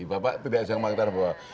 bapak tidak bisa mengatakan bahwa